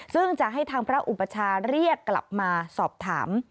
ซึ่งจะให้ทางพระอุปชาเรียกกลับมาสอบถาม